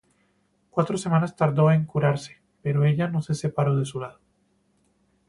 Cuatro semanas tardó en curarse, pero ella no se separó de su lado.